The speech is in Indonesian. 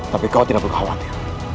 tapi kau tidak perlu khawatir